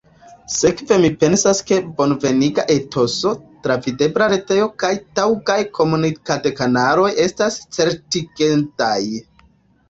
Sekve mi pensas ke bonveniga etoso, travidebla retejo kaj taŭgaj komunikadkanaloj estas certigendaj.